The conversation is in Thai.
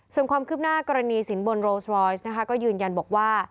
ส่วนความคืบหน้ากรณีสินบนโรสรอยซ์นะคะก็ยืนยันบอกว่า